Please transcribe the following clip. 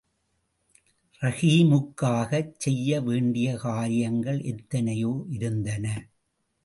ரஹீமுக்காகச் செய்ய வேண்டிய காரியங்கள் எத்தனையோ இருந்தன.